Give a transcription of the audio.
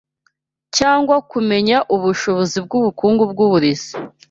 cyangwa kumenya ubushobozi bwubukungu bwuburezi